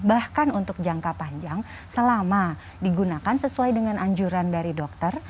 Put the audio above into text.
bahkan untuk jangka panjang selama digunakan sesuai dengan anjuran dari dokter